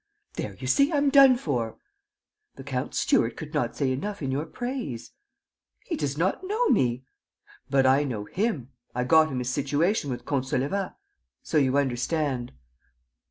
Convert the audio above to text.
"There, you see, I'm done for!" "The count's steward could not say enough in your praise." "He does not know me." "But I know him. I got him his situation with Comte Saulevat. So you understand...."